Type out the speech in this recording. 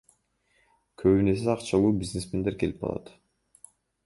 Көбүнесе акчалуу бизнесмендер келип атат.